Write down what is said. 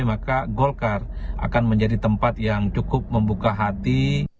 maka golkar akan menjadi tempat yang cukup membuka hati